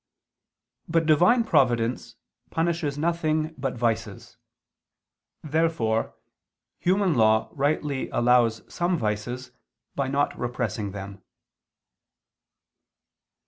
But Divine providence punishes nothing but vices. Therefore human law rightly allows some vices, by not repressing them.